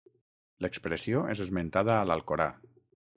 L'expressió és esmentada a l'Alcorà.